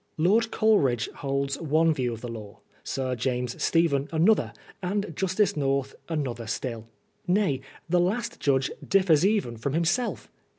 Lord Coleridge holds one view of the law, Sir James Stephen another, and Justice North another still. Nay, the last judge differs even from himself.